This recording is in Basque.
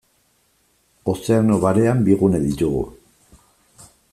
Ozeano Barean bi gune ditugu.